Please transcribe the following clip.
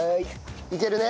いけるね？